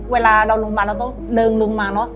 เวลาเราลงมาเราต้องเริงลงมาเนอะ